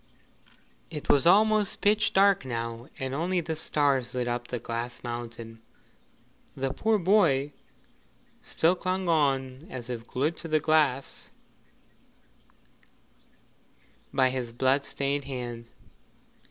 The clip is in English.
It was almost pitch dark now, and only the stars lit up the Glass Mountain. The poor boy still clung on as if glued to the glass by his blood stained hands.